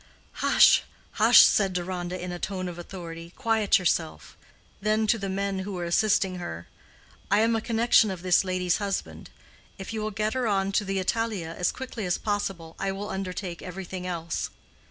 "Hush, hush!" said Deronda, in a tone of authority; "quiet yourself." Then to the men who were assisting her, "I am a connection of this lady's husband. If you will get her on to the Italia as quickly as possible, I will undertake everything else."